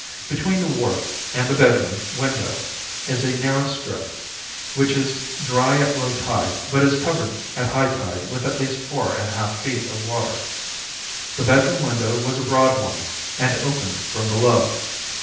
Between the wharf and the bedroom window is a narrow strip, which is dry at low tide but is covered at high tide with at least four and a half feet of water. The bedroom window was a broad one and opened from below.